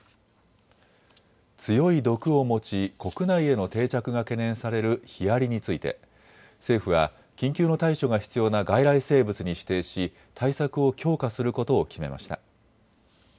強い毒を持ち国内への定着が懸念されるヒアリについて政府は緊急の対処が必要な外来生物に指定し対策を強化することを決めました。